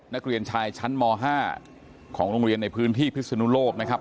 นักเรียนชายชั้นม๕ของโรงเรียนในพื้นที่พิศนุโลกนะครับ